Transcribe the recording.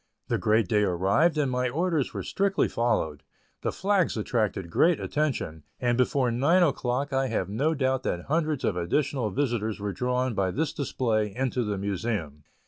The great day arrived, and my orders were strictly followed. The flags attracted great attention, and before nine o'clock I have no doubt that hundreds of additional visitors were drawn by this display into the Museum.